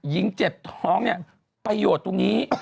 เจ็บท้องเนี่ยประโยชน์ตรงนี้